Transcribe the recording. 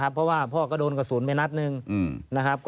เพราะว่าพ่อก็โดนกระสูญไปนัดนึง